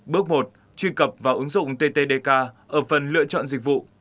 bước một truy cập vào ứng dụng ttdk ở phần lựa chọn dịch vụ